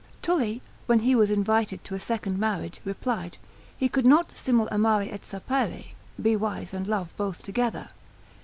Tully, when he was invited to a second marriage, replied, he could not simul amare et sapere be wise and love both together.